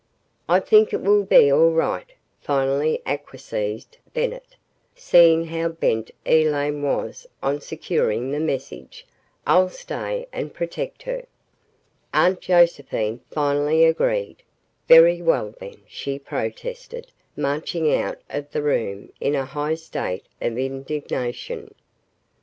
"I think it will be all right," finally acquiesced Bennett, seeing how bent Elaine was on securing the message. "I'll stay and protect her." Aunt Josephine finally agreed. "Very well, then," she protested, marching out of the room in a high state of indignation.